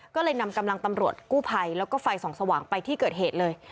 ก็เลยนำกำลังตำรวจกู้ภัยแล้วก็ไฟส่องสว่างไปที่เกิดเหตุเลย